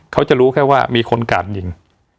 เขาจะรู้แค่ว่ามีคนกาดยิง